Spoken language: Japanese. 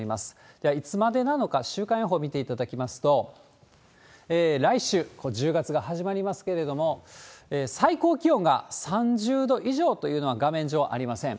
では、いつまでなのか、週間予報見ていただきますと、来週、１０月が始まりますけれども、最高気温が３０度以上というのは画面上ありません。